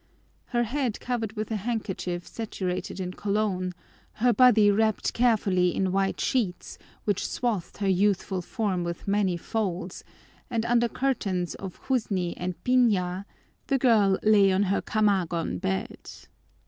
Her head covered with a handkerchief saturated in cologne, her body wrapped carefully in white sheets which swathed her youthful form with many folds, under curtains of jusi and piña, the girl lay on her kamagon bed.